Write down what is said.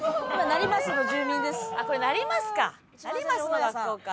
成増の学校か。